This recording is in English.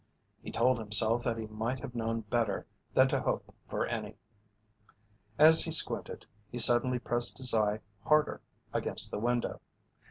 He told himself that he might have known better than to hope for any. As he squinted, he suddenly pressed his eye harder against the window.